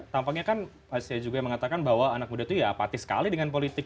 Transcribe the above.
tampaknya kan saya juga mengatakan bahwa anak muda itu ya apatis sekali dengan politik